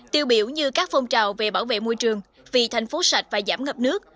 tiêu biểu như các phong trào về bảo vệ môi trường vì thành phố sạch và giảm ngập nước